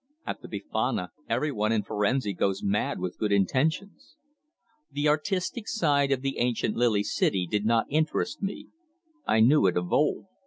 At the Befana everyone in Firenze goes mad with good intentions. The artistic side of the ancient Lily City did not interest me. I knew it of old.